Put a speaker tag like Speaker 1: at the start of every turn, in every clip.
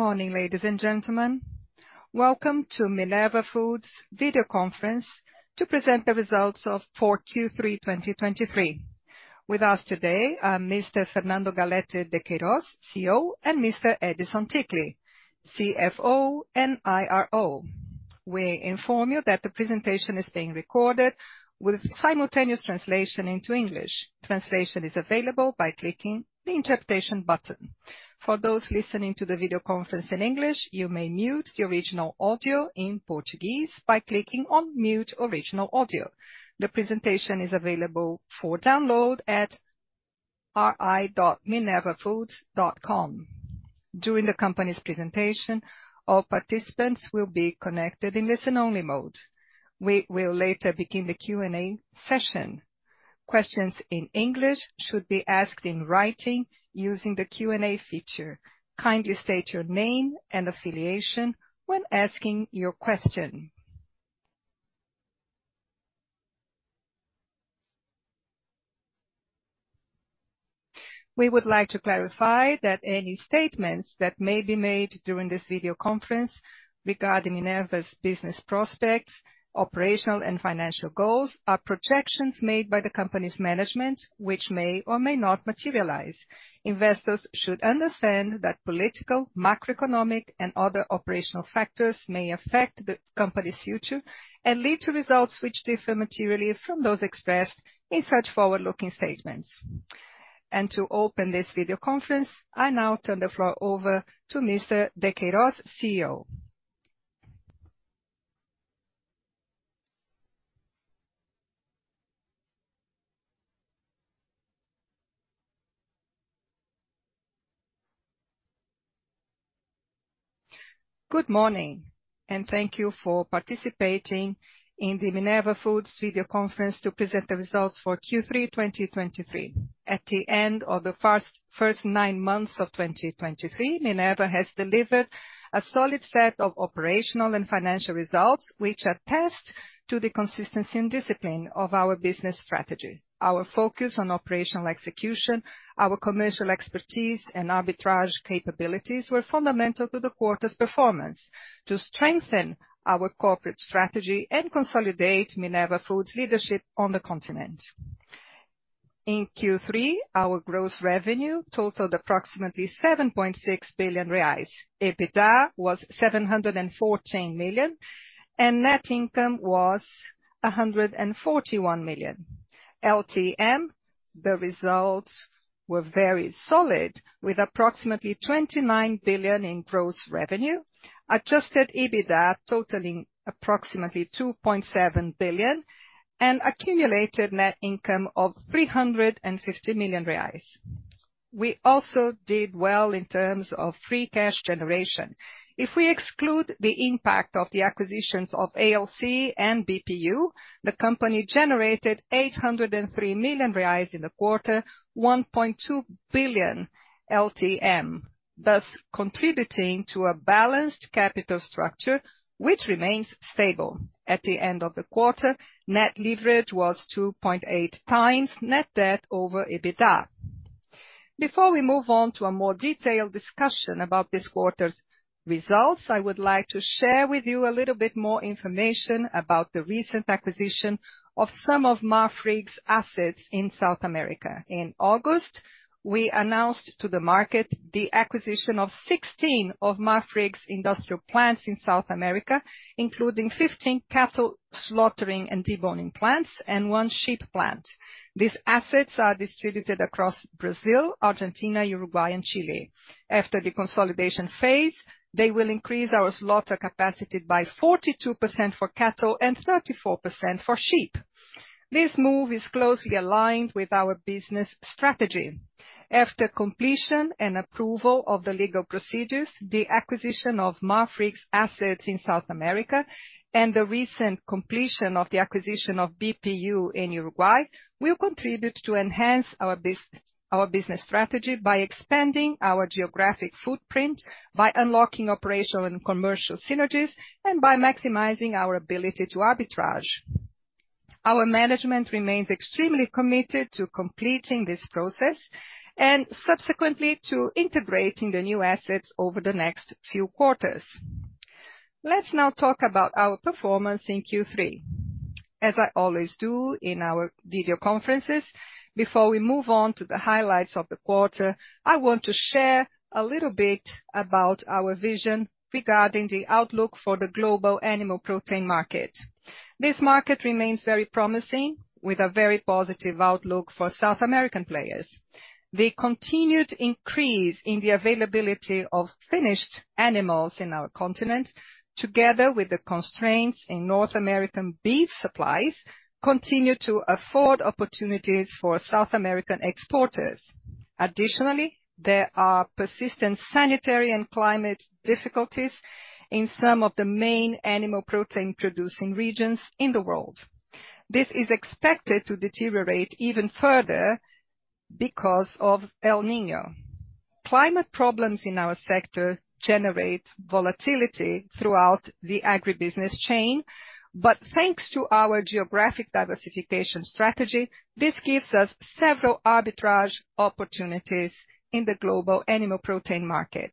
Speaker 1: Good morning, ladies and gentlemen. Welcome to Minerva Foods video conference to present the results for Q3 2023. With us today are Mr. Fernando Galletti de Queiroz, CEO, and Mr. Edison Ticle, CFO and IRO. We inform you that the presentation is being recorded with simultaneous translation into English. Translation is available by clicking the interpretation button. For those listening to the video conference in English, you may mute the original audio in Portuguese by clicking on Mute Original Audio. The presentation is available for download at ri.minervafoods.com. During the company's presentation, all participants will be connected in listen-only mode. We will later begin the Q&A session. Questions in English should be asked in writing using the Q&A feature. Kindly state your name and affiliation when asking your question. We would like to clarify that any statements that may be made during this video conference regarding Minerva's business prospects, operational and financial goals, are projections made by the company's management, which may or may not materialize. Investors should understand that political, macroeconomic, and other operational factors may affect the company's future and lead to results which differ materially from those expressed in such forward-looking statements. To open this video conference, I now turn the floor over to Mr. de Queiroz, CEO.
Speaker 2: Good morning, and thank you for participating in the Minerva Foods video conference to present the results for Q3 2023. At the end of the first nine months of 2023, Minerva has delivered a solid set of operational and financial results, which attest to the consistency and discipline of our business strategy. Our focus on operational execution, our commercial expertise, and arbitrage capabilities were fundamental to the quarter's performance to strengthen our corporate strategy and consolidate Minerva Foods' leadership on the continent. In Q3, our gross revenue totaled approximately 7.6 billion reais. EBITDA was 714 million, and net income was 141 million. LTM, the results were very solid, with approximately 29 billion in gross revenue, adjusted EBITDA totaling approximately 2.7 billion, and accumulated net income of 350 million reais. We also did well in terms of free cash generation. If we exclude the impact of the acquisitions of ALC and BPU, the company generated 803 million reais in the quarter, 1.2 billion LTM, thus contributing to a balanced capital structure, which remains stable. At the end of the quarter, net leverage was 2.8x net debt over EBITDA. Before we move on to a more detailed discussion about this quarter's results, I would like to share with you a little bit more information about the recent acquisition of some of Marfrig's assets in South America. In August, we announced to the market the acquisition of 16 of Marfrig's industrial plants in South America, including 15 cattle slaughtering and deboning plants and one sheep plant. These assets are distributed across Brazil, Argentina, Uruguay, and Chile. After the consolidation phase, they will increase our slaughter capacity by 42% for cattle and 34% for sheep. This move is closely aligned with our business strategy. After completion and approval of the legal procedures, the acquisition of Marfrig's assets in South America, and the recent completion of the acquisition of BPU in Uruguay, will contribute to enhance our business strategy by expanding our geographic footprint, by unlocking operational and commercial synergies, and by maximizing our ability to arbitrage. Our management remains extremely committed to completing this process and subsequently to integrating the new assets over the next few quarters. Let's now talk about our performance in Q3. As I always do in our video conferences, before we move on to the highlights of the quarter, I want to share a little bit about our vision regarding the outlook for the global animal protein market. This market remains very promising, with a very positive outlook for South American players. The continued increase in the availability of finished animals in our continent, together with the constraints in North American beef supplies, continue to afford opportunities for South American exporters. Additionally, there are persistent sanitary and climate difficulties in some of the main animal protein-producing regions in the world. This is expected to deteriorate even further because of El Niño. Climate problems in our sector generate volatility throughout the agribusiness chain, but thanks to our geographic diversification strategy, this gives us several arbitrage opportunities in the global animal protein market.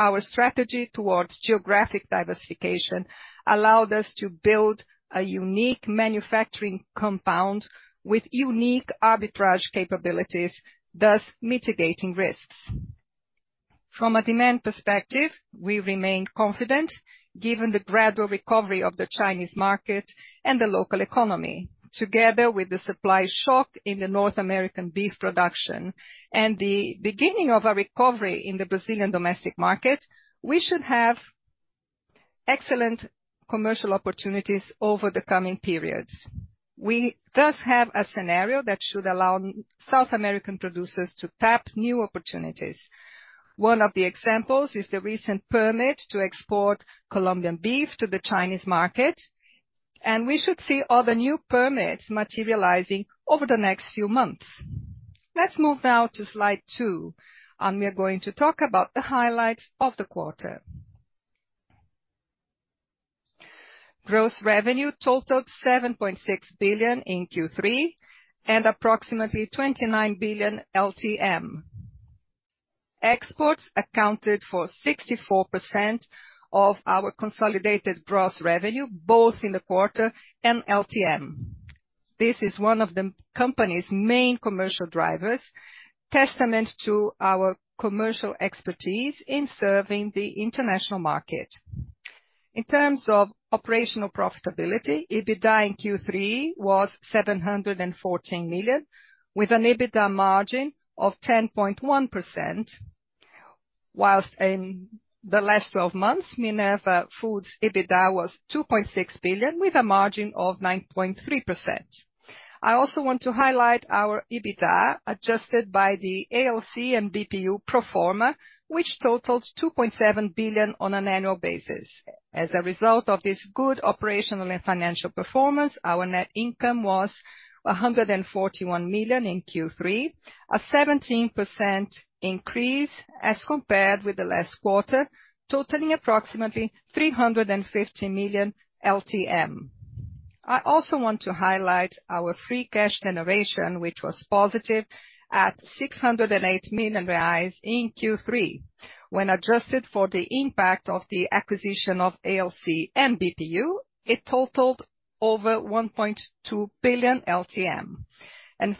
Speaker 2: Our strategy towards geographic diversification allowed us to build a unique manufacturing compound with unique arbitrage capabilities, thus mitigating risks. From a demand perspective, we remain confident, given the gradual recovery of the Chinese market and the local economy. Together with the supply shock in the North American beef production and the beginning of a recovery in the Brazilian domestic market, we should have excellent commercial opportunities over the coming periods. We thus have a scenario that should allow South American producers to tap new opportunities. One of the examples is the recent permit to export Colombian beef to the Chinese market, and we should see other new permits materializing over the next few months. Let's move now to slide 2, and we are going to talk about the highlights of the quarter. Gross revenue totaled 7.6 billion in Q3, and approximately 29 billion LTM. Exports accounted for 64% of our consolidated gross revenue, both in the quarter and LTM. This is one of the company's main commercial drivers, testament to our commercial expertise in serving the international market. In terms of operational profitability, EBITDA in Q3 was 714 million, with an EBITDA margin of 10.1%, while in the last twelve months, Minerva Foods' EBITDA was 2.6 billion, with a margin of 9.3%. I also want to highlight our EBITDA, adjusted by the ALC and BPU pro forma, which totaled 2.7 billion on an annual basis. As a result of this good operational and financial performance, our net income was 141 million in Q3, a 17% increase as compared with the last quarter, totaling approximately 350 million LTM. I also want to highlight our free cash generation, which was positive at 608 million reais in Q3. When adjusted for the impact of the acquisition of ALC and BPU, it totaled over 1.2 billion LTM.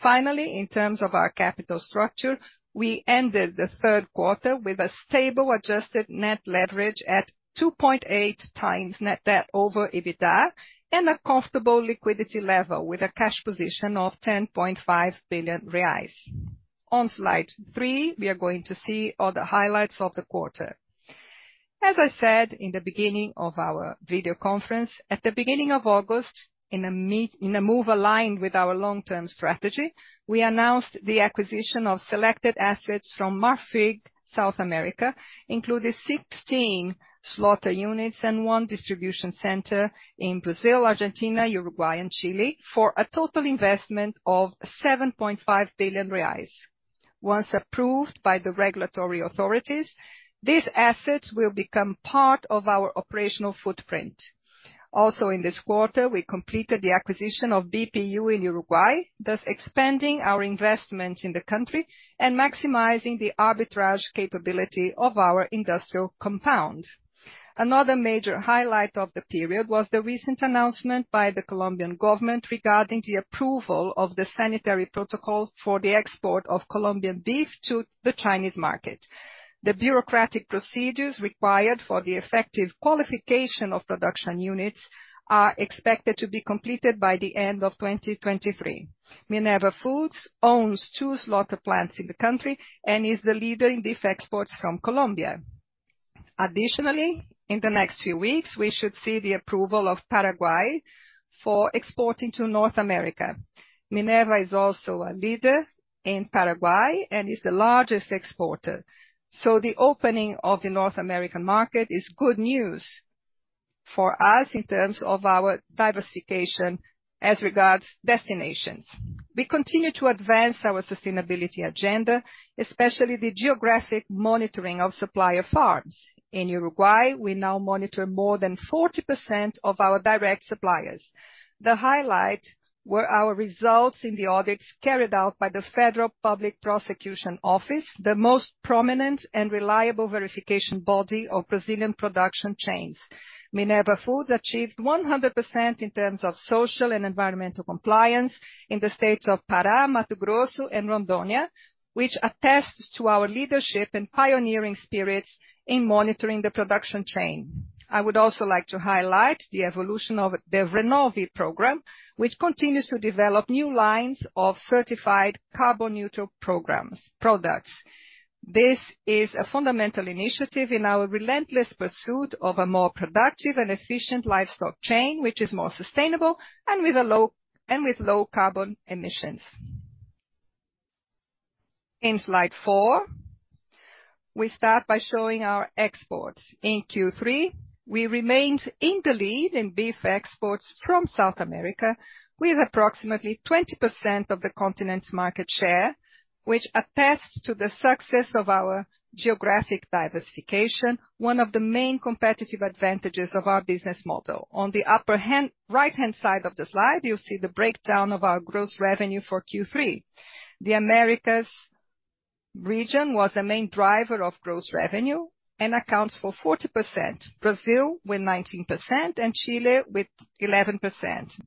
Speaker 2: Finally, in terms of our capital structure, we ended the third quarter with a stable adjusted net leverage at 2.8x net debt over EBITDA, and a comfortable liquidity level with a cash position of 10.5 billion reais. On slide 3, we are going to see all the highlights of the quarter. As I said in the beginning of our video conference, at the beginning of August, in a move aligned with our long-term strategy, we announced the acquisition of selected assets from Marfrig South America, including 16 slaughter units and one distribution center in Brazil, Argentina, Uruguay, and Chile, for a total investment of 7.5 billion reais. Once approved by the regulatory authorities, these assets will become part of our operational footprint. Also, in this quarter, we completed the acquisition of BPU in Uruguay, thus expanding our investment in the country and maximizing the arbitrage capability of our industrial compound. Another major highlight of the period was the recent announcement by the Colombian government regarding the approval of the sanitary protocol for the export of Colombian beef to the Chinese market. The bureaucratic procedures required for the effective qualification of production units are expected to be completed by the end of 2023. Minerva Foods owns two slaughter plants in the country and is the leader in beef exports from Colombia. Additionally, in the next few weeks, we should see the approval of Paraguay for exporting to North America. Minerva is also a leader in Paraguay and is the largest exporter, so the opening of the North American market is good news for us in terms of our diversification as regards destinations. We continue to advance our sustainability agenda, especially the geographic monitoring of supplier farms. In Uruguay, we now monitor more than 40% of our direct suppliers. The highlight were our results in the audits carried out by the Federal Public Prosecution Office, the most prominent and reliable verification body of Brazilian production chains. Minerva Foods achieved 100% in terms of social and environmental compliance in the states of Pará, Mato Grosso, and Rondônia, which attests to our leadership and pioneering spirits in monitoring the production chain. I would also like to highlight the evolution of the Renove program, which continues to develop new lines of certified carbon-neutral programs, products. This is a fundamental initiative in our relentless pursuit of a more productive and efficient livestock chain, which is more sustainable and with low carbon emissions. In slide 4, we start by showing our exports. In Q3, we remained in the lead in beef exports from South America, with approximately 20% of the continent's market share, which attests to the success of our geographic diversification, one of the main competitive advantages of our business model. On the right-hand side of the slide, you'll see the breakdown of our gross revenue for Q3. The Americas region was the main driver of gross revenue and accounts for 40%, Brazil with 19%, and Chile with 11%.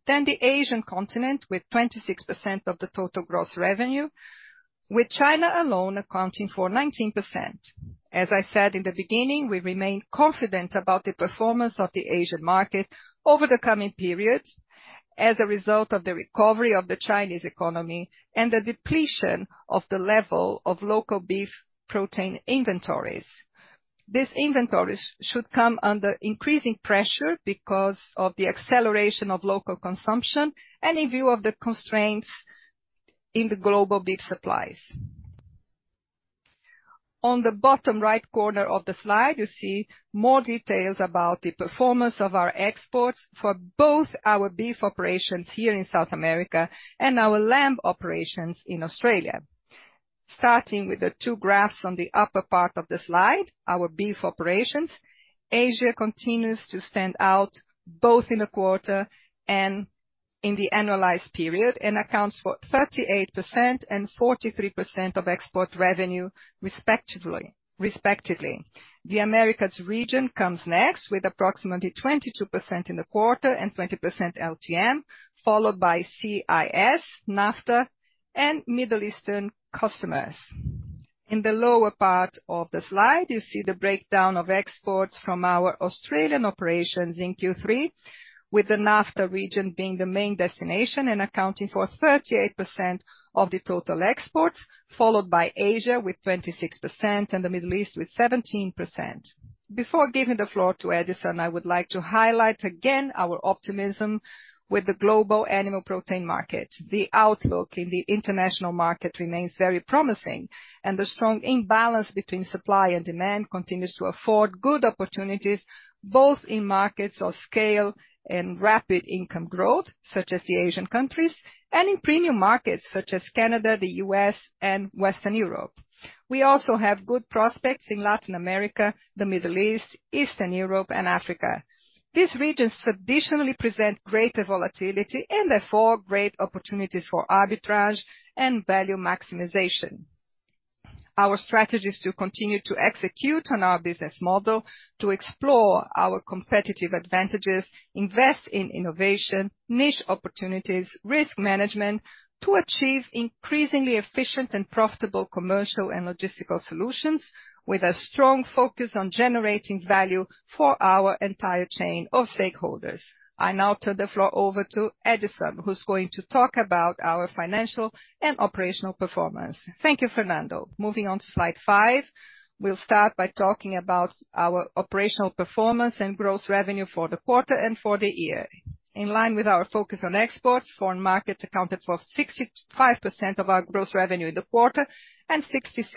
Speaker 2: Then the Asian continent with 26% of the total gross revenue, with China alone accounting for 19%. As I said in the beginning, we remain confident about the performance of the Asian market over the coming periods, as a result of the recovery of the Chinese economy and the depletion of the level of local beef protein inventories. These inventories should come under increasing pressure because of the acceleration of local consumption and in view of the constraints in the global beef supplies. On the bottom right corner of the slide, you see more details about the performance of our exports for both our beef operations here in South America and our lamb operations in Australia. Starting with the two graphs on the upper part of the slide, our beef operations, Asia continues to stand out both in the quarter and in the annualized period, and accounts for 38% and 43% of export revenue, respectively, respectively. The Americas region comes next, with approximately 22% in the quarter and 20% LTM, followed by CIS, NAFTA, and Middle Eastern customers. In the lower part of the slide, you see the breakdown of exports from our Australian operations in Q3, with the NAFTA region being the main destination and accounting for 38% of the total exports, followed by Asia with 26% and the Middle East with 17%. Before giving the floor to Edison, I would like to highlight again our optimism with the global animal protein market. The outlook in the international market remains very promising, and the strong imbalance between supply and demand continues to afford good opportunities, both in markets of scale and rapid income growth, such as the Asian countries, and in premium markets such as Canada, the U.S., and Western Europe. We also have good prospects in Latin America, the Middle East, Eastern Europe, and Africa. These regions traditionally present greater volatility and therefore great opportunities for arbitrage and value maximization. Our strategy is to continue to execute on our business model, to explore our competitive advantages, invest in innovation, niche opportunities, risk management, to achieve increasingly efficient and profitable commercial and logistical solutions, with a strong focus on generating value for our entire chain of stakeholders. I now turn the floor over to Edison, who's going to talk about our financial and operational performance.
Speaker 3: Thank you, Fernando. Moving on to slide 5, we'll start by talking about our operational performance and gross revenue for the quarter and for the year. In line with our focus on exports, foreign markets accounted for 65% of our gross revenue in the quarter and 66%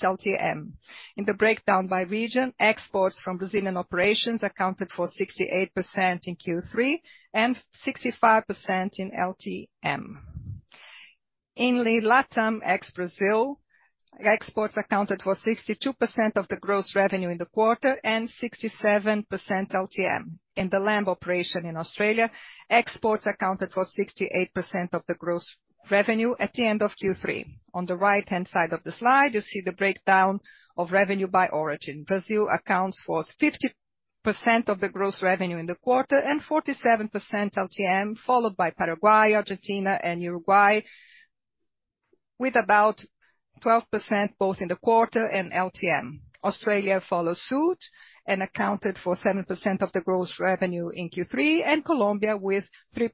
Speaker 3: LTM. In the breakdown by region, exports from Brazilian operations accounted for 68% in Q3 and 65% in LTM. In LATAM ex-Brazil, exports accounted for 62% of the gross revenue in the quarter and 67% LTM. In the lamb operation in Australia, exports accounted for 68% of the gross revenue at the end of Q3. On the right-hand side of the slide, you see the breakdown of revenue by origin. Brazil accounts for 50% of the gross revenue in the quarter and 47% LTM, followed by Paraguay, Argentina and Uruguay, with about 12% both in the quarter and LTM. Australia followed suit and accounted for 7% of the gross revenue in Q3, and Colombia with 3%,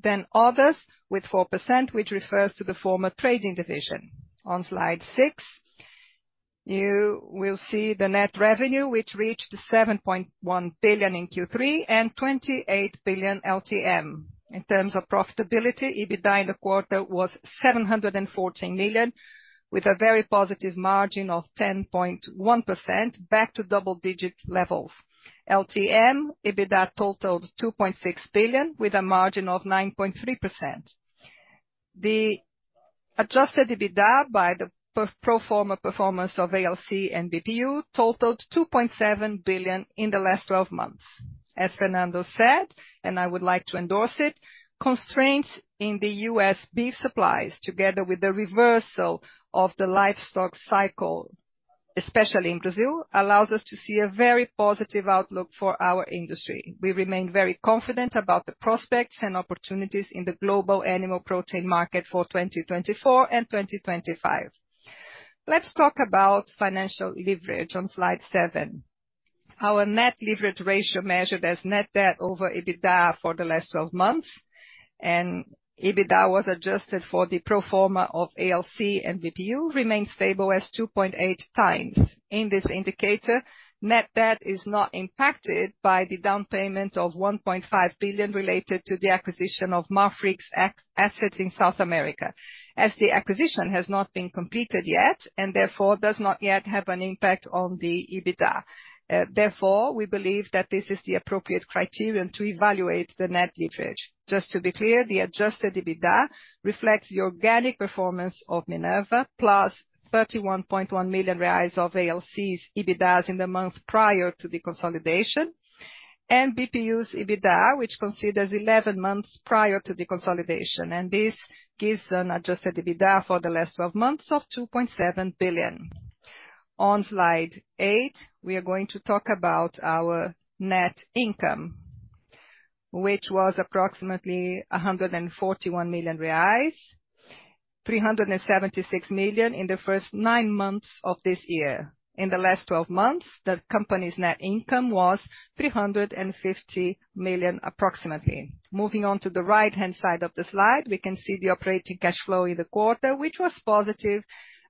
Speaker 3: then others with 4%, which refers to the former trading division. On slide 6, you will see the net revenue, which reached 7.1 billion in Q3 and 28 billion LTM. In terms of profitability, EBITDA in the quarter was 714 million, with a very positive margin of 10.1%, back to double digit levels. LTM, EBITDA totaled 2.6 billion, with a margin of 9.3%. The adjusted EBITDA by the pro forma performance of ALC and BPU totaled 2.7 billion in the last twelve months. As Fernando said, and I would like to endorse it, constraints in the U.S. beef supplies, together with the reversal of the livestock cycle, especially in Brazil, allows us to see a very positive outlook for our industry. We remain very confident about the prospects and opportunities in the global animal protein market for 2024 and 2025. Let's talk about financial leverage on slide seven. Our net leverage ratio measured as net debt over EBITDA for the last twelve months, and EBITDA was adjusted for the pro forma of ALC and BPU, remained stable as 2.8 times. In this indicator, net debt is not impacted by the down payment of 1.5 billion related to the acquisition of Marfrig's assets in South America, as the acquisition has not been completed yet, and therefore, does not yet have an impact on the EBITDA. Therefore, we believe that this is the appropriate criterion to evaluate the net leverage. Just to be clear, the adjusted EBITDA reflects the organic performance of Minerva, plus 31.1 million reais of ALC's EBITDA in the month prior to the consolidation, and BPU's EBITDA, which considers 11 months prior to the consolidation, and this gives an adjusted EBITDA for the last 12 months of 2.7 billion. On Slide 8, we are going to talk about our net income, which was approximately 141 million reais, 376 million in the first 9 months of this year. In the last 12 months, the company's net income was 350 million, approximately. Moving on to the right-hand side of the slide, we can see the operating cash flow in the quarter, which was positive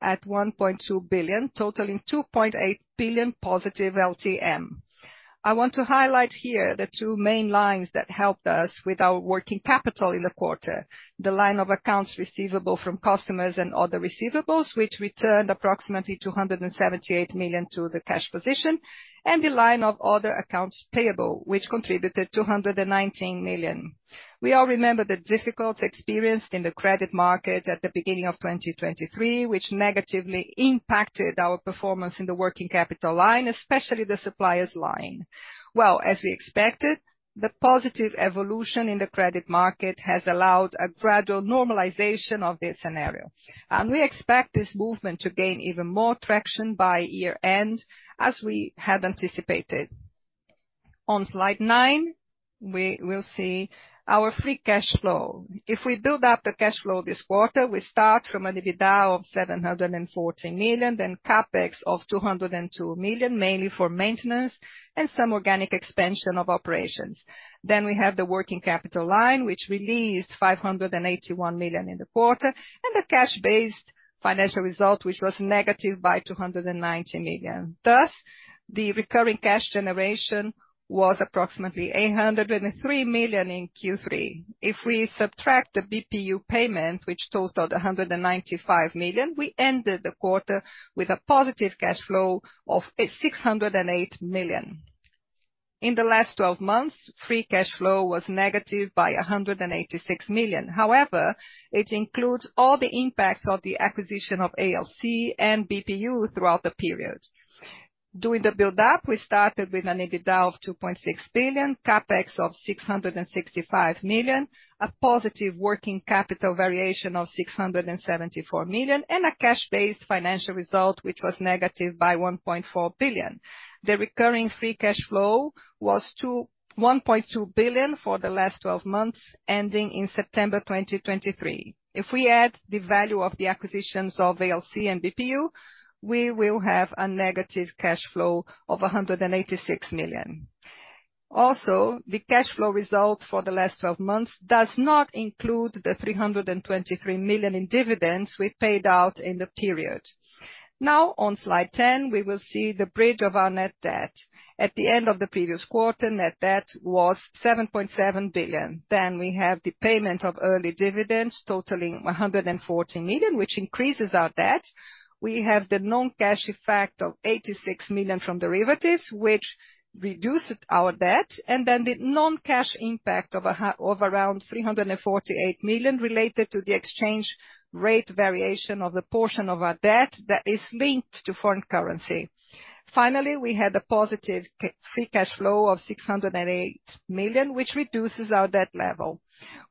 Speaker 3: at 1.2 billion, totaling 2.8 billion positive LTM. I want to highlight here the two main lines that helped us with our Working Capital in the quarter. The line of accounts receivable from customers and other receivables, which returned approximately 278 million to the cash position, and the line of other accounts payable, which contributed 219 million. We all remember the difficulties experienced in the credit market at the beginning of 2023, which negatively impacted our performance in the Working Capital line, especially the suppliers line. Well, as we expected, the positive evolution in the credit market has allowed a gradual normalization of this scenario. We expect this movement to gain even more traction by year-end, as we had anticipated. On slide 9, we will see our Free Cash Flow. If we build up the cash flow this quarter, we start from an EBITDA of 714 million, then CapEx of 202 million, mainly for maintenance and some organic expansion of operations. Then we have the working capital line, which released 581 million in the quarter, and the cash-based financial result, which was negative by 290 million. Thus, the recurring cash generation was approximately 803 million in Q3. If we subtract the BPU payment, which totaled 195 million, we ended the quarter with a positive cash flow of 608 million. In the last twelve months, free cash flow was negative by 186 million. However, it includes all the impacts of the acquisition of ALC and BPU throughout the period. Doing the build-up, we started with an EBITDA of 2.6 billion, CapEx of 665 million, a positive working capital variation of 674 million, and a cash-based financial result, which was negative by 1.4 billion. The recurring free cash flow was one point two billion for the last twelve months, ending in September 2023. If we add the value of the acquisitions of ALC and BPU, we will have a negative cash flow of 186 million. Also, the cash flow result for the last twelve months does not include the 323 million in dividends we paid out in the period. Now, on slide 10, we will see the bridge of our net debt. At the end of the previous quarter, net debt was 7.7 billion. Then we have the payment of early dividends totaling 114 million, which increases our debt. We have the non-cash effect of 86 million from derivatives, which reduced our debt, and then the non-cash impact of around 348 million related to the exchange rate variation of the portion of our debt that is linked to foreign currency. Finally, we had a positive free cash flow of 608 million, which reduces our debt level.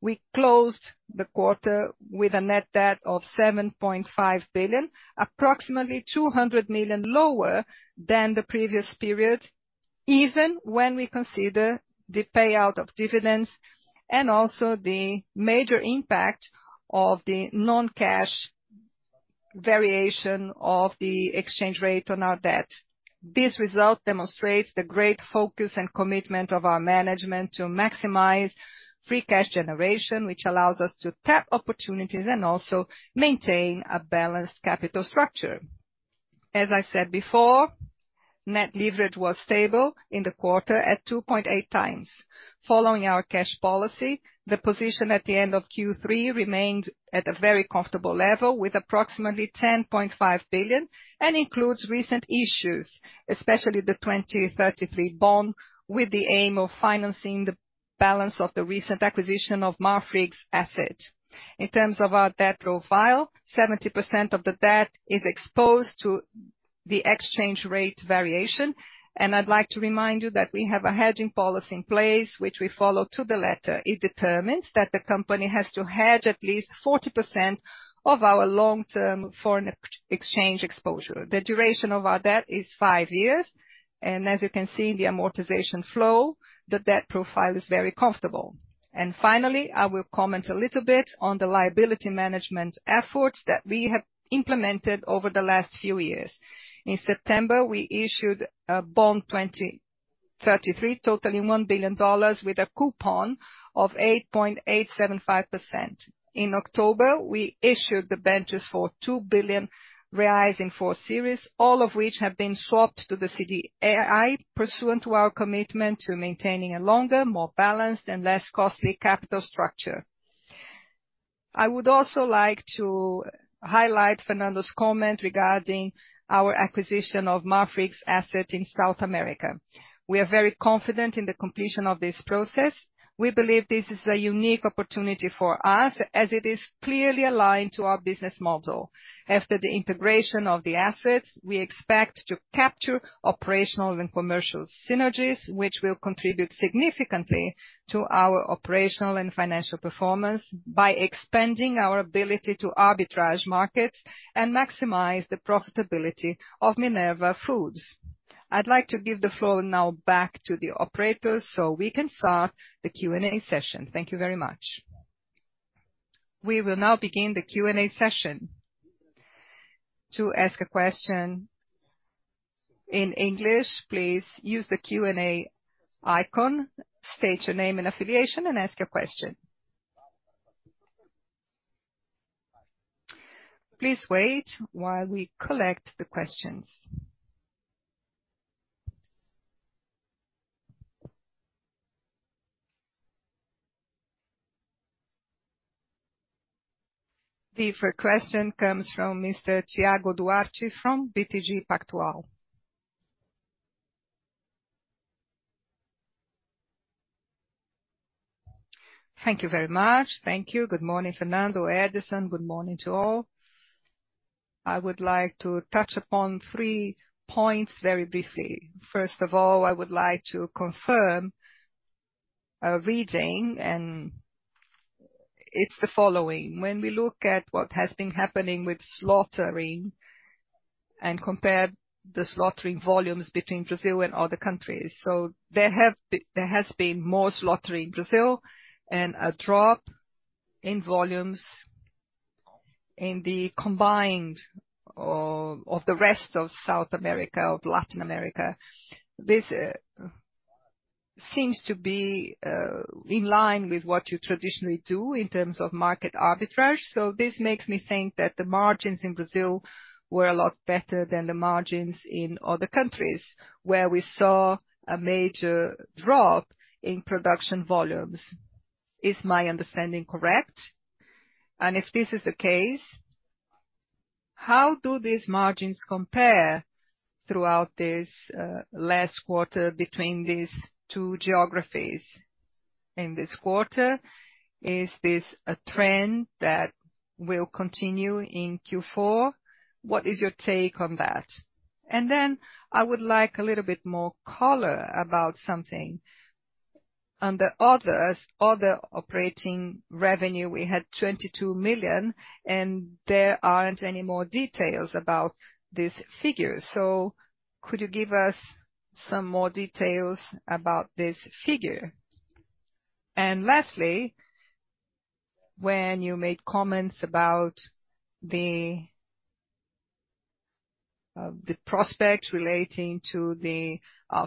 Speaker 3: We closed the quarter with a net debt of 7.5 billion, approximately 200 million lower than the previous period, even when we consider the payout of dividends and also the major impact of the non-cash variation of the exchange rate on our debt. This result demonstrates the great focus and commitment of our management to maximize free cash generation, which allows us to tap opportunities and also maintain a balanced capital structure. As I said before, net leverage was stable in the quarter at 2.8x. Following our cash policy, the position at the end of Q3 remained at a very comfortable level, with approximately 10.5 billion, and includes recent issues, especially the 2033 bond, with the aim of financing the balance of the recent acquisition of Marfrig's asset. In terms of our debt profile, 70% of the debt is exposed to the exchange rate variation. I'd like to remind you that we have a hedging policy in place, which we follow to the letter. It determines that the company has to hedge at least 40% of our long-term foreign exchange exposure. The duration of our debt is five years, and as you can see in the amortization flow, the debt profile is very comfortable. Finally, I will comment a little bit on the liability management efforts that we have implemented over the last few years. In September, we issued a 2033 bond, totaling $1 billion with a coupon of 8.875%. In October, we issued the bonds for $ 2 billion in four series, all of which have been swapped to the CDI, pursuant to our commitment to maintaining a longer, more balanced and less costly capital structure. I would also like to highlight Fernando's comment regarding our acquisition of Marfrig's asset in South America. We are very confident in the completion of this process. We believe this is a unique opportunity for us, as it is clearly aligned to our business model. After the integration of the assets, we expect to capture operational and commercial synergies, which will contribute significantly to our operational and financial performance by expanding our ability to arbitrage markets and maximize the profitability of Minerva Foods. I'd like to give the floor now back to the operators, so we can start the Q&A session. Thank you very much.
Speaker 1: We will now begin the Q&A session. To ask a question in English, please use the Q&A icon, state your name and affiliation, and ask your question. Please wait while we collect the questions. The first question comes from Mr. Thiago Duarte, from BTG Pactual.
Speaker 4: Thank you very much. Thank you. Good morning, Fernando, Edison. Good morning to all. I would like to touch upon three points very briefly. First of all, I would like to confirm a reading, and it's the following: when we look at what has been happening with slaughtering and compare the slaughtering volumes between Brazil and other countries, so there has been more slaughtering in Brazil and a drop in volumes in the combined of the rest of South America or Latin America. This seems to be in line with what you traditionally do in terms of market arbitrage. So this makes me think that the margins in Brazil were a lot better than the margins in other countries, where we saw a major drop in production volumes. Is my understanding correct? And if this is the case, how do these margins compare throughout this last quarter between these two geographies in this quarter? Is this a trend that will continue in Q4? What is your take on that? And then I would like a little bit more color about something. Under others, other operating revenue, we had 22 million, and there aren't any more details about this figure. So could you give us some more details about this figure? And lastly, when you made comments about the prospects relating to the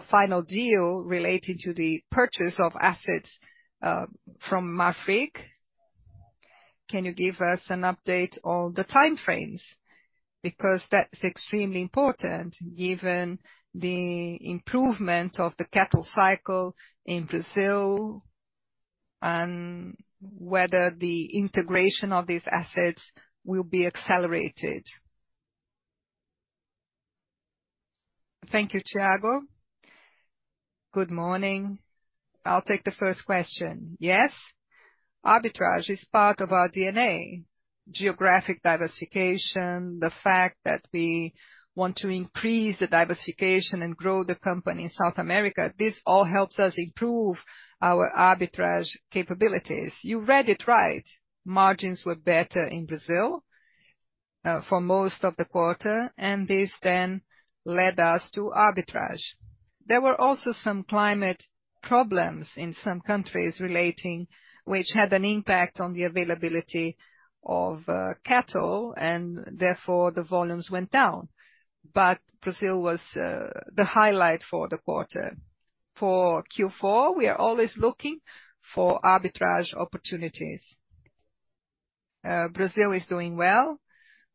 Speaker 4: final deal relating to the purchase of assets from Marfrig, can you give us an update on the time frames? Because that's extremely important, given the improvement of the cattle cycle in Brazil and whether the integration of these assets will be accelerated.
Speaker 3: Thank you, Thiago. Good morning. I'll take the first question. Yes, arbitrage is part of our DNA. Geographic diversification, the fact that we want to increase the diversification and grow the company in South America, this all helps us improve our arbitrage capabilities. You read it right. Margins were better in Brazil, for most of the quarter, and this then led us to arbitrage. There were also some climate problems in some countries relating, which had an impact on the availability of, cattle, and therefore, the volumes went down. But Brazil was, the highlight for the quarter. For Q4, we are always looking for arbitrage opportunities. Brazil is doing well.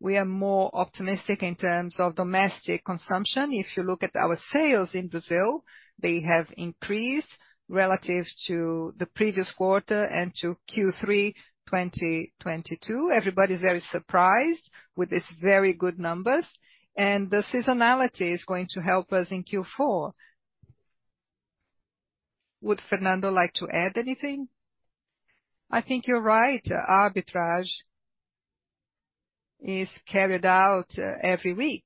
Speaker 3: We are more optimistic in terms of domestic consumption. If you look at our sales in Brazil, they have increased relative to the previous quarter and to Q3 2022. Everybody is very surprised with these very good numbers, and the seasonality is going to help us in Q4. Would Fernando like to add anything?
Speaker 2: I think you're right. Arbitrage is carried out every week.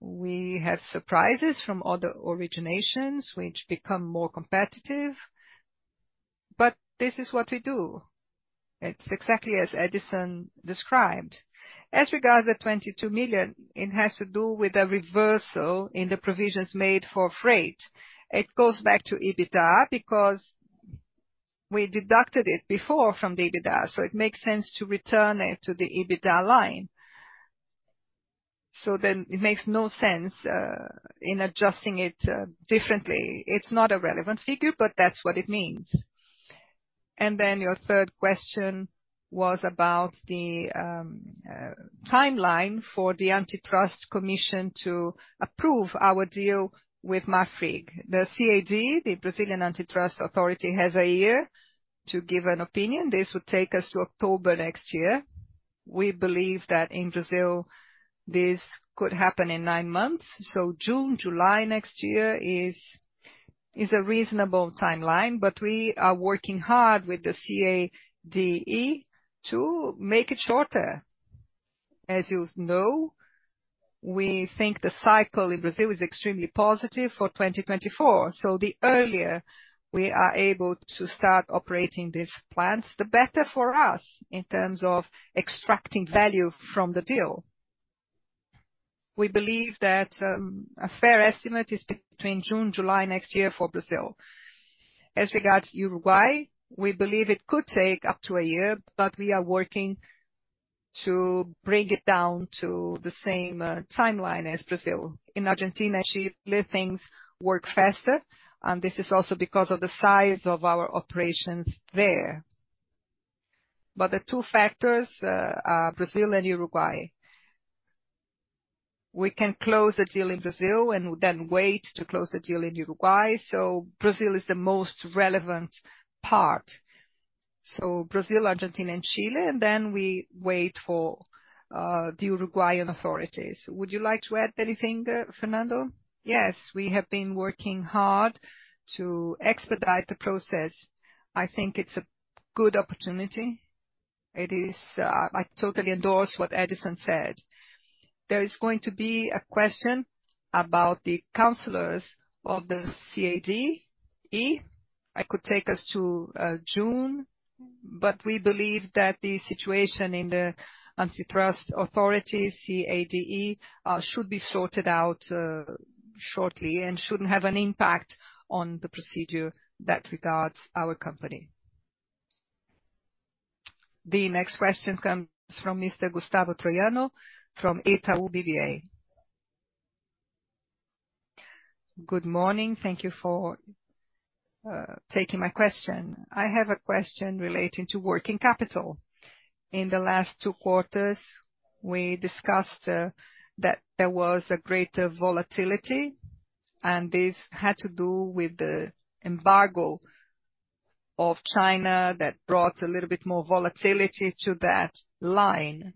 Speaker 2: We have surprises from other originations which become more competitive, but this is what we do. It's exactly as Edison described. As regards the 22 million, it has to do with a reversal in the provisions made for freight. It goes back to EBITDA, because we deducted it before from the EBITDA, so it makes sense to return it to the EBITDA line. So then it makes no sense in adjusting it differently. It's not a relevant figure, but that's what it means. And then your third question was about the timeline for the Antitrust Commission to approve our deal with Marfrig. The CADE, the Brazilian Antitrust Authority, has a year to give an opinion. This would take us to October next year.
Speaker 3: We believe that in Brazil, this could happen in nine months, so June, July next year is a reasonable timeline, but we are working hard with the CADE to make it shorter. As you know, we think the cycle in Brazil is extremely positive for 2024. So the earlier we are able to start operating these plants, the better for us in terms of extracting value from the deal. We believe that a fair estimate is between June, July next year for Brazil. As regards Uruguay, we believe it could take up to a year, but we are working to bring it down to the same timeline as Brazil. In Argentina, Chile, things work faster, and this is also because of the size of our operations there. But the two factors are Brazil and Uruguay. We can close the deal in Brazil and then wait to close the deal in Uruguay, so Brazil is the most relevant part. So Brazil, Argentina and Chile, and then we wait for the Uruguayan authorities. Would you like to add anything, Fernando?
Speaker 2: Yes, we have been working hard to expedite the process. I think it's a good opportunity. It is, I totally endorse what Edison said. There is going to be a question about the counselors of the CADE. That could take us to June, but we believe that the situation in the Antitrust Authority, CADE, should be sorted out shortly and shouldn't have an impact on the procedure that regards our company.
Speaker 1: The next question comes from Mr. Gustavo Troiano, from Itaú BBA.
Speaker 5: Good morning. Thank you for taking my question. I have a question relating to working capital. In the last two quarters, we discussed that there was a greater volatility, and this had to do with the embargo of China that brought a little bit more volatility to that line.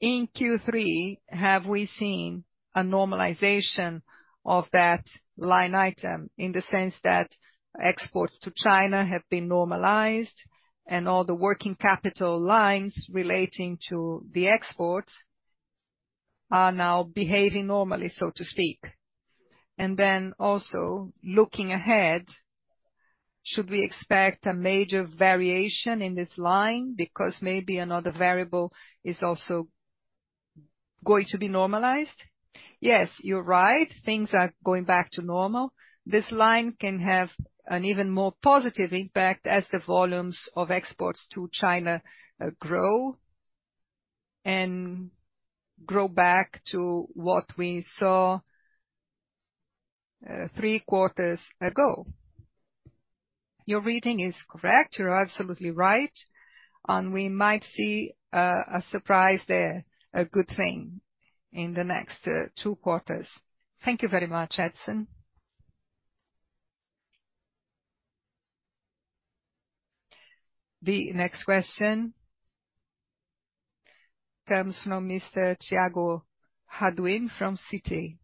Speaker 5: In Q3, have we seen a normalization of that line item, in the sense that exports to China have been normalized and all the working capital lines relating to the exports are now behaving normally, so to speak? And then also, looking ahead, should we expect a major variation in this line because maybe another variable is also going to be normalized?
Speaker 3: Yes, you're right. Things are going back to normal. This line can have an even more positive impact as the volumes of exports to China grow, and grow back to what we saw three quarters ago. Your reading is correct. You're absolutely right, and we might see, a surprise there, a good thing, in the next two quarters.
Speaker 1: Thank you very much, Edison. The next question comes from Mr. Tiago [Raduin] from Citi.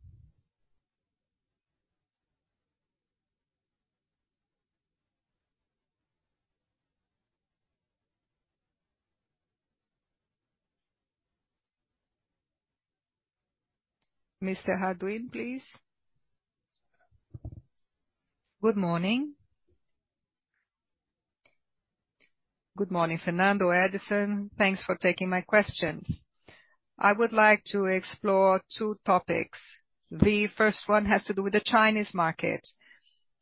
Speaker 1: Mr. [Raduin], please.
Speaker 6: Good morning. Good morning, Fernando, Edison. Thanks for taking my questions. I would like to explore two topics. The first one has to do with the Chinese market.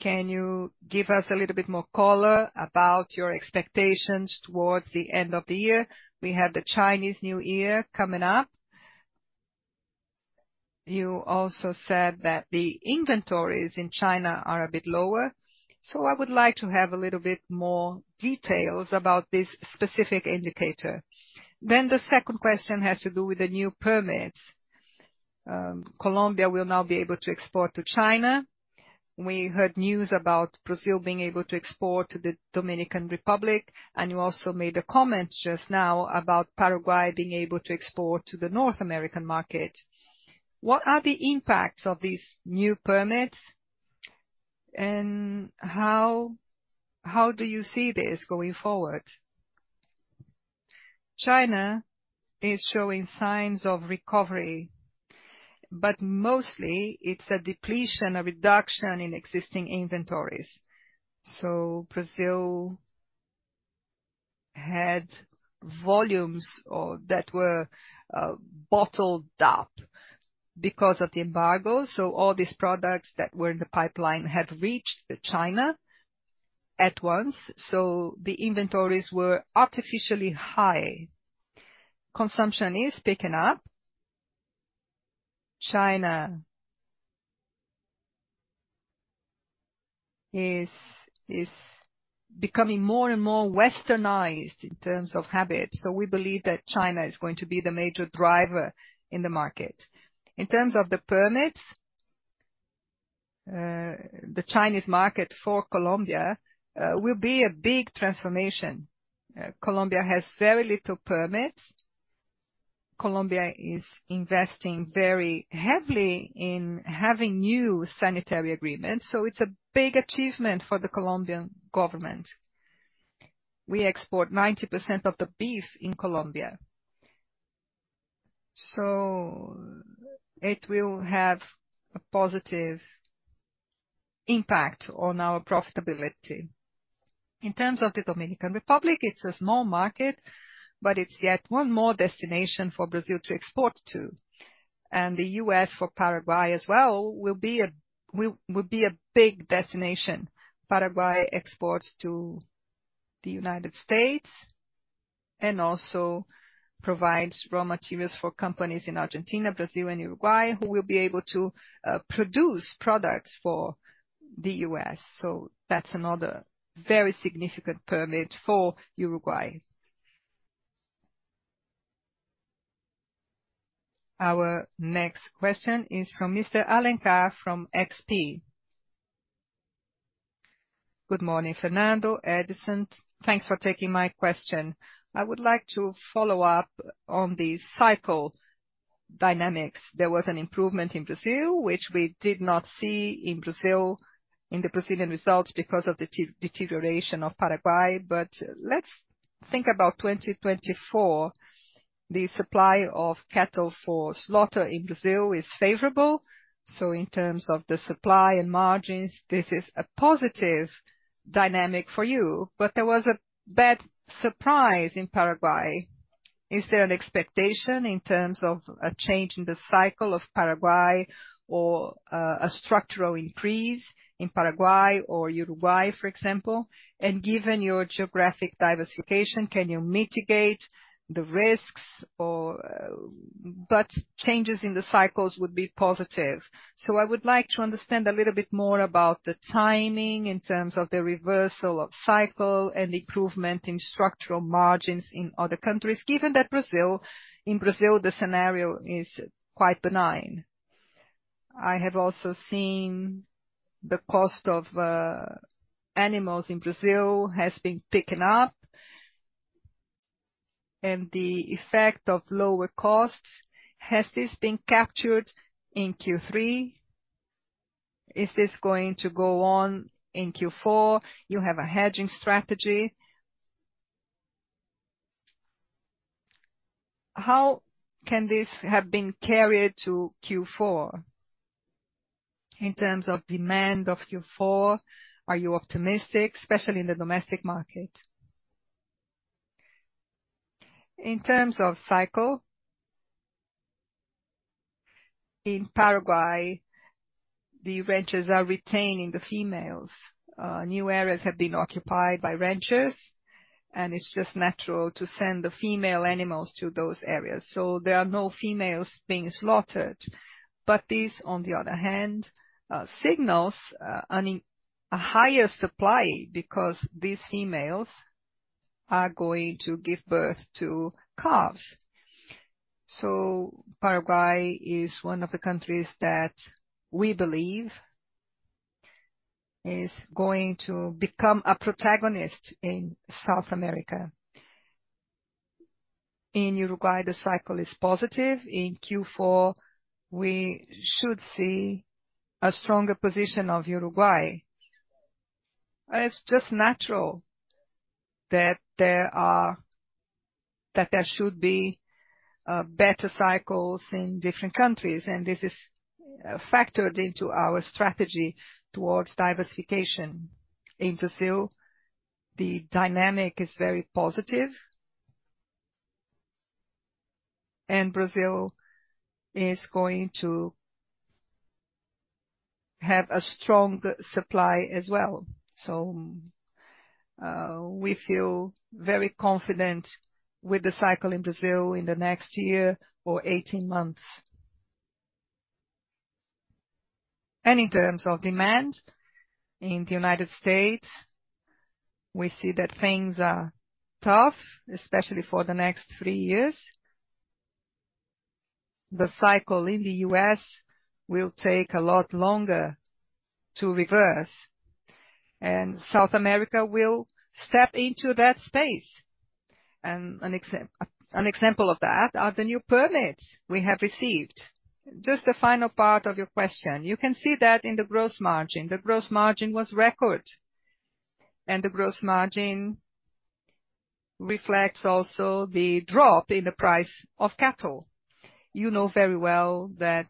Speaker 6: Can you give us a little bit more color about your expectations towards the end of the year? We have the Chinese New Year coming up. You also said that the inventories in China are a bit lower, so I would like to have a little bit more details about this specific indicator. Then the second question has to do with the new permits. Colombia will now be able to export to China. We heard news about Brazil being able to export to the Dominican Republic, and you also made a comment just now about Paraguay being able to export to the North American market. What are the impacts of these new permits, and how do you see this going forward?
Speaker 3: China is showing signs of recovery, but mostly it's a depletion, a reduction in existing inventories. So Brazil had volumes that were bottled up because of the embargo. So all these products that were in the pipeline have reached China at once, so the inventories were artificially high. Consumption is picking up. China is becoming more and more Westernized in terms of habit, so we believe that China is going to be the major driver in the market. In terms of the permits, the Chinese market for Colombia will be a big transformation. Colombia has very little permits. Colombia is investing very heavily in having new sanitary agreements, so it's a big achievement for the Colombian government. We export 90% of the beef in Colombia. So it will have a positive impact on our profitability. In terms of the Dominican Republic, it's a small market, but it's yet one more destination for Brazil to export to, and the U.S. for Paraguay as well, will be a big destination. Paraguay exports to the United States and also provides raw materials for companies in Argentina, Brazil, and Uruguay, who will be able to produce products for the U.S. So that's another very significant permit for Uruguay.
Speaker 1: Our next question is from Mr. Alencar, from XP.
Speaker 7: Good morning, Fernando, Edison. Thanks for taking my question. I would like to follow up on the cycle dynamics. There was an improvement in Brazil, which we did not see in Brazil, in the Brazilian results, because of the deterioration of Paraguay. But let's think about 2024. The supply of cattle for slaughter in Brazil is favorable, so in terms of the supply and margins, this is a positive dynamic for you. But there was a bad surprise in Paraguay. Is there an expectation in terms of a change in the cycle of Paraguay or a structural increase in Paraguay or Uruguay, for example? And given your geographic diversification, can you mitigate the risks, or, but changes in the cycles would be positive. So I would like to understand a little bit more about the timing in terms of the reversal of cycle and improvement in structural margins in other countries, given that Brazil, in Brazil, the scenario is quite benign. I have also seen the cost of animals in Brazil has been picking up, and the effect of lower costs has this been captured in Q3? Is this going to go on in Q4? You have a hedging strategy. How can this have been carried to Q4? In terms of demand of Q4, are you optimistic, especially in the domestic market?
Speaker 3: In terms of cycle, in Paraguay, the ranchers are retaining the females. New areas have been occupied by ranchers, and it's just natural to send the female animals to those areas, so there are no females being slaughtered. But this, on the other hand, signals a higher supply, because these females are going to give birth to calves. So Paraguay is one of the countries that we believe is going to become a protagonist in South America. In Uruguay, the cycle is positive. In Q4, we should see a stronger position of Uruguay. It's just natural that there should be better cycles in different countries, and this is factored into our strategy towards diversification. In Brazil, the dynamic is very positive. Brazil is going to have a strong supply as well. We feel very confident with the cycle in Brazil in the next year or 18 months. In terms of demand, in the United States, we see that things are tough, especially for the next 3 years. The cycle in the U.S. will take a lot longer to reverse, and South America will step into that space. An example of that are the new permits we have received. Just the final part of your question: you can see that in the gross margin, the gross margin was record. The gross margin reflects also the drop in the price of cattle. You know very well that,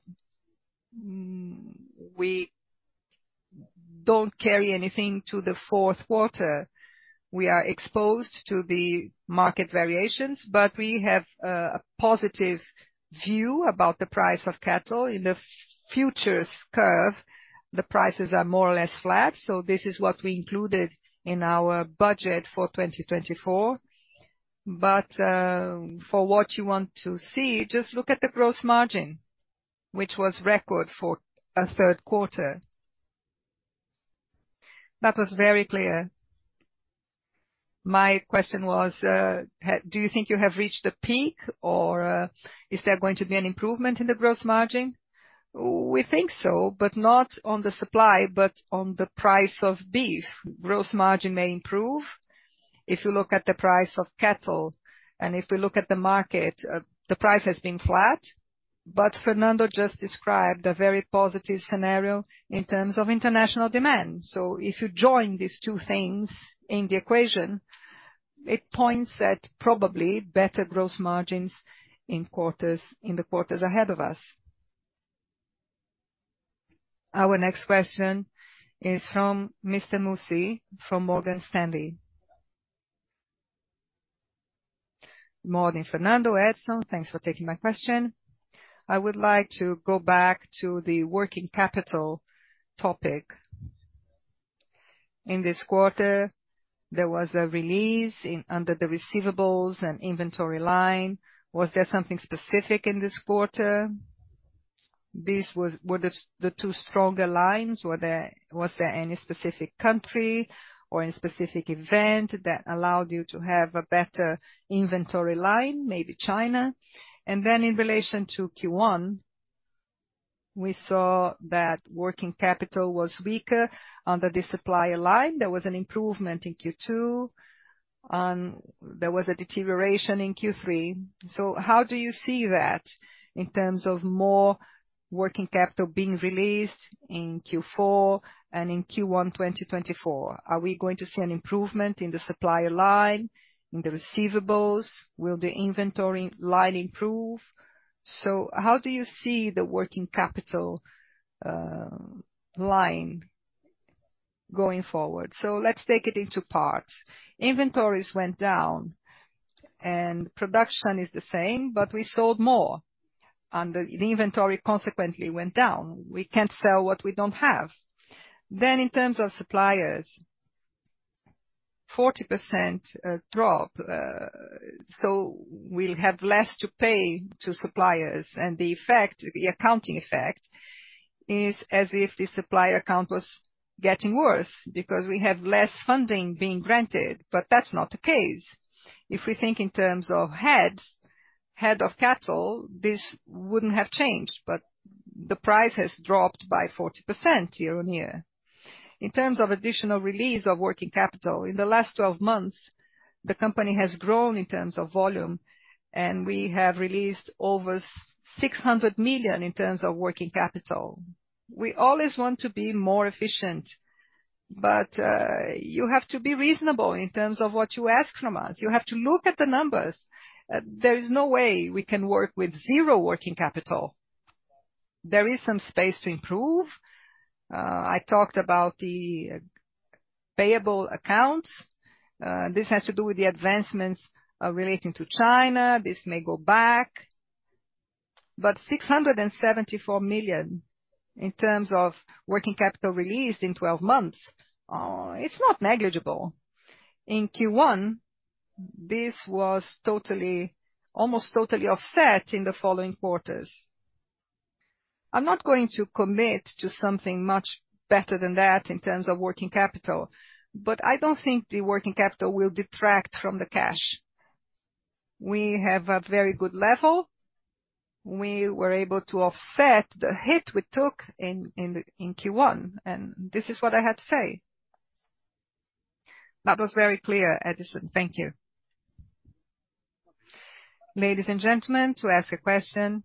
Speaker 3: we don't carry anything to the fourth quarter. We are exposed to the market variations, but we have a positive view about the price of cattle. In the futures curve, the prices are more or less flat, so this is what we included in our budget for 2024. But, for what you want to see, just look at the gross margin, which was record for a third quarter.
Speaker 7: That was very clear. My question was, do you think you have reached the peak, or, is there going to be an improvement in the gross margin? We think so, but not on the supply, but on the price of beef.
Speaker 3: Gross margin may improve if you look at the price of cattle, and if we look at the market, the price has been flat, but Fernando just described a very positive scenario in terms of international demand. So if you join these two things in the equation, it points at probably better gross margins in quarters, in the quarters ahead of us.
Speaker 1: Our next question is from Mr. Mussi, from Morgan Stanley.
Speaker 8: Morning, Fernando, Edson, thanks for taking my question. I would like to go back to the working capital topic. In this quarter, there was a release in under the receivables and inventory line. Was there something specific in this quarter? Were the two stronger lines, was there any specific country or any specific event that allowed you to have a better inventory line, maybe China? Then in relation to Q1, we saw that working capital was weaker under the supplier line. There was an improvement in Q2. There was a deterioration in Q3. So how do you see that in terms of more working capital being released in Q4 and in Q1 2024? Are we going to see an improvement in the supplier line, in the receivables? Will the inventory line improve? So how do you see the working capital line going forward?
Speaker 3: So let's take it into parts. Inventories went down, and production is the same, but we sold more, and the inventory consequently went down. We can't sell what we don't have. Then in terms of suppliers, 40% drop, so we'll have less to pay to suppliers, and the effect, the accounting effect, is as if the supplier account was getting worse because we have less funding being granted, but that's not the case. If we think in terms of heads, head of cattle, this wouldn't have changed, but the price has dropped by 40% year-on-year. In terms of additional release of working capital, in the last 12 months, the company has grown in terms of volume, and we have released over 600 million in terms of working capital. We always want to be more efficient, but you have to be reasonable in terms of what you ask from us. You have to look at the numbers. There is no way we can work with zero working capital. There is some space to improve. I talked about the payable accounts. This has to do with the advancements relating to China. This may go back. But 674 million in terms of working capital released in 12 months, it's not negligible. In Q1, this was totally, almost totally offset in the following quarters. I'm not going to commit to something much better than that in terms of working capital, but I don't think the working capital will detract from the cash. We have a very good level. We were able to offset the hit we took in, in the, in Q1, and this is what I had to say.
Speaker 8: That was very clear, Edison. Thank you.
Speaker 1: Ladies and gentlemen, to ask a question,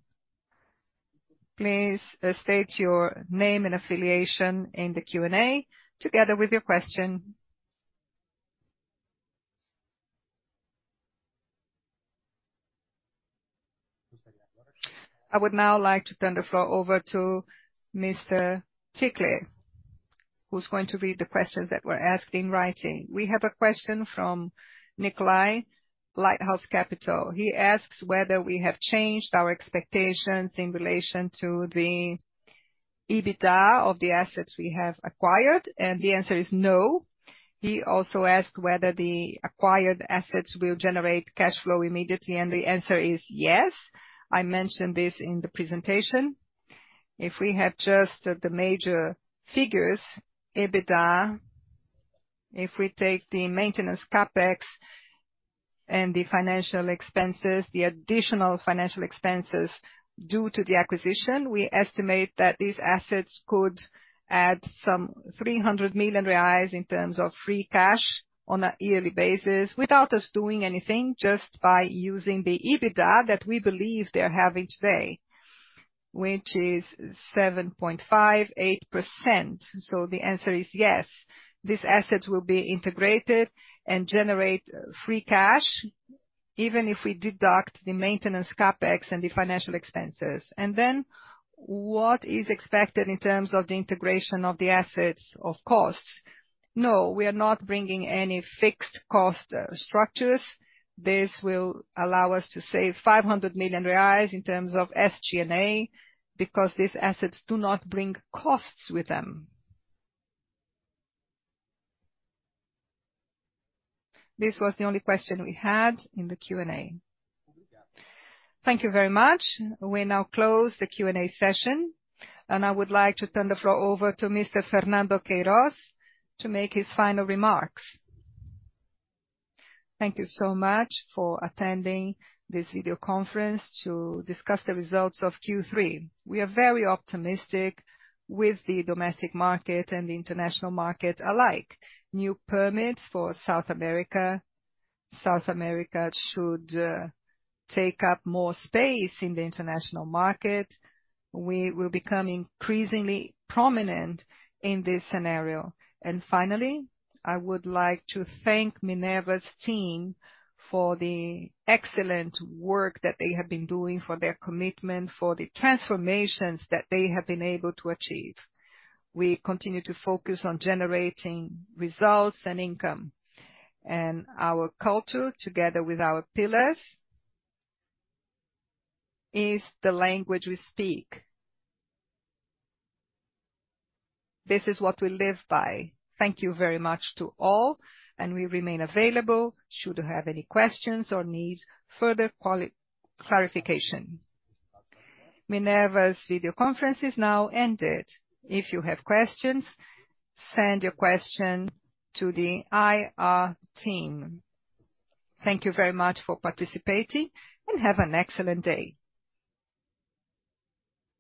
Speaker 1: please, state your name and affiliation in the Q&A together with your question. I would now like to turn the floor over to Mr. Ticle, who's going to read the questions that were asked in writing.
Speaker 3: We have a question from Nikolay, Lighthouse Capital. He asks whether we have changed our expectations in relation to the EBITDA of the assets we have acquired, and the answer is no. He also asked whether the acquired assets will generate cash flow immediately, and the answer is yes. I mentioned this in the presentation. If we have just the major figures, EBITDA, if we take the maintenance CapEx and the financial expenses, the additional financial expenses due to the acquisition, we estimate that these assets could add some 300 million reais in terms of free cash on a yearly basis, without us doing anything, just by using the EBITDA that we believe they have each day. Which is 7.5%-8%. So the answer is yes, these assets will be integrated and generate free cash, even if we deduct the maintenance CapEx and the financial expenses. And then what is expected in terms of the integration of the assets of costs? No, we are not bringing any fixed cost structures. This will allow us to save 500 million reais in terms of SG&A, because these assets do not bring costs with them. This was the only question we had in the Q&A.
Speaker 1: Thank you very much. We now close the Q&A session, and I would like to turn the floor over to Mr. Fernando Queiroz, to make his final remarks.
Speaker 2: Thank you so much for attending this video conference to discuss the results of Q3. We are very optimistic with the domestic market and the international market alike. New permits for South America. South America should take up more space in the international market. We will become increasingly prominent in this scenario. And finally, I would like to thank Minerva's team for the excellent work that they have been doing, for their commitment, for the transformations that they have been able to achieve. We continue to focus on generating results and income. And our culture, together with our pillars, is the language we speak. This is what we live by. Thank you very much to all, and we remain available should you have any questions or need further clarification. Minerva's video conference is now ended. If you have questions, send your question to the IR team. Thank you very much for participating, and have an excellent day.